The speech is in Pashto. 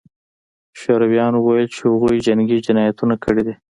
شورویانو ویل چې هغوی جنګي جنایتونه کړي دي